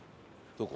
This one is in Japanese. どこ？